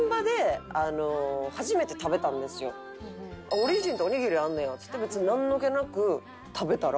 「オリジンっておにぎりあんねや」っつって別になんの気なく食べたら。